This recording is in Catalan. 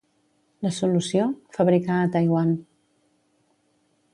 La solució: fabricar a Taiwan.